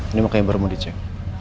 ini makanya baru mau dicek